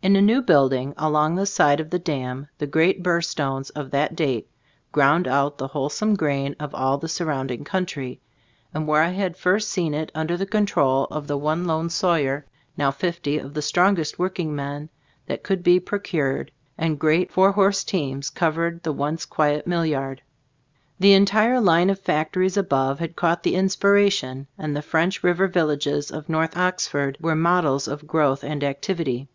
In a new building along the side of the dam, the great burr stones of that date ground out the wholesome grain of all the surrounding country, and where I had first seen it under the 76 Gbe Stors ot As Cbilfcboofc control of the one lone sawyer, now fifty of the strongest working men that could be procured, and great four horse teams covered the once quiet millyard. The entire line of factories above had caught the in spiration, and the French River vil lages of North Oxford were models of growth and activity.